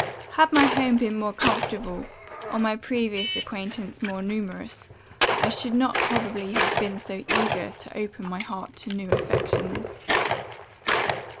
Had my home been more comfortable, or my previous acquaintance more numerous, I should not probably have been so eager to open my heart to new affections.